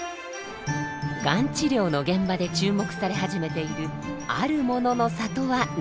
がん治療の現場で注目され始めているあるものの差とは何か？